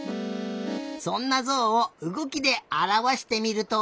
そんなゾウをうごきであらわしてみると。